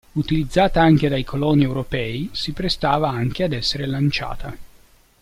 Utilizzata anche dai coloni europei, si prestava anche ad essere lanciata.